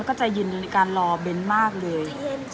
แล้วก็ใจยืนในการรอเบนมากเลย